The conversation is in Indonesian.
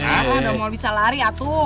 kamu udah mau bisa lari atuh